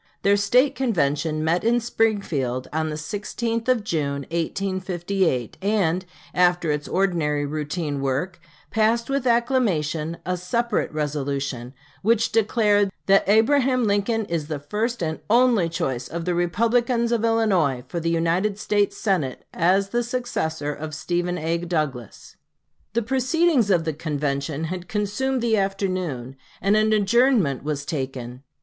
Their State convention met in Springfield on the 16th of June, 1858, and, after its ordinary routine work, passed with acclamation a separate resolution, which declared "that Abraham Lincoln is the first and only choice of the Republicans of Illinois for the United States Senate as the successor of Stephen A. Douglas." The proceedings of the convention had consumed the afternoon, and an adjournment was taken.